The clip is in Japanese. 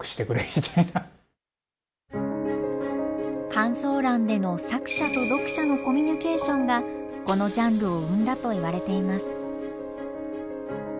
感想欄での作者と読者のコミュニケーションがこのジャンルを生んだといわれています。